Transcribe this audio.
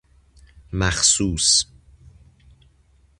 مخصوص